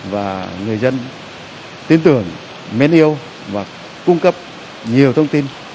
và người dân tin tưởng mến yêu và cung cấp nhiều thông tin